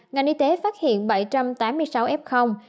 ngành y tế phát hiện bảy trăm tám mươi sáu f